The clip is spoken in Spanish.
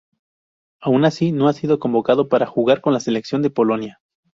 Aun así, no ha sido convocado para jugar con la Selección de Polonia.